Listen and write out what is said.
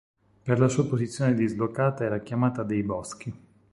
Per la sua posizione dislocata era chiamata "dei boschi".